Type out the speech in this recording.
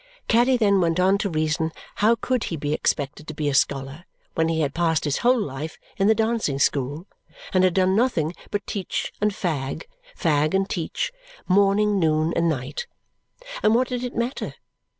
Caddy then went on to reason, how could he be expected to be a scholar when he had passed his whole life in the dancing school and had done nothing but teach and fag, fag and teach, morning, noon, and night! And what did it matter?